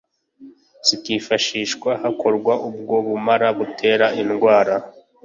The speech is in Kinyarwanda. zikifashishwa hakorwa ubwo bumara butera indwara